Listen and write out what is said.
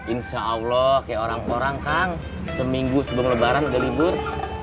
insya allah kayak orang orang kang seminggu sebelum lebaran udah libur